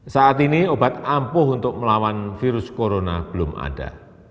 saat ini obat ampuh untuk melawan virus corona belum ada